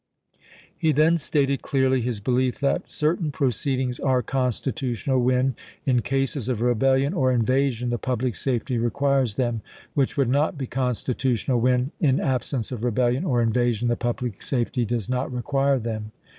He then stated clearly his belief that certain pro ceedings are constitutional when, in cases of rebel lion or invasion, the public safety requires them, which would not be constitutional when, in absence of rebellion or invasion, the public safety does not require them.